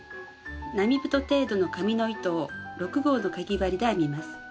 並太程度の紙の糸を６号のかぎ針で編みます。